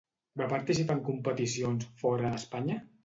Va participar en competicions fora d'Espanya?